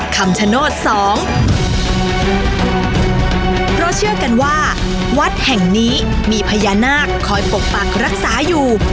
คำชโนธสองเพราะเชื่อกันว่าวัดแห่งนี้มีพญานาคคอยปกปักรักษาอยู่